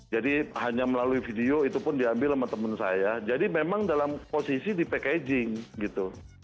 jadi hanya melalui video itu pun diambil sama temen saya jadi memang dalam posisi di packaging gitu